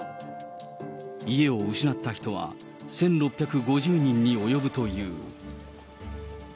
家を失った人は１６５０人に及ぶという。